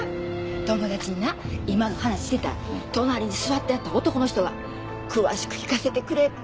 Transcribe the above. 友達にな今の話してたら隣に座ってはった男の人が詳しく聞かせてくれって。